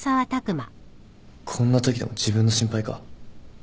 こんなときでも自分の心配か？